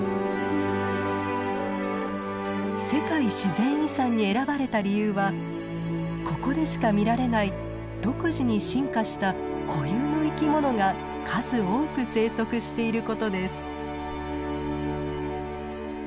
世界自然遺産に選ばれた理由はここでしか見られない独自に進化した固有の生き物が数多く生息していることです。